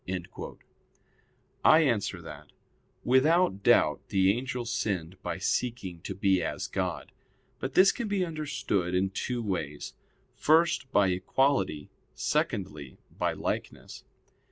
I answer that, Without doubt the angel sinned by seeking to be as God. But this can be understood in two ways: first, by equality; secondly, by likeness.